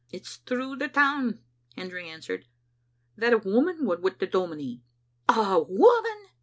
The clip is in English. "It's through the town," Hendry answered, "that a woman was wi' the dominie." " A woman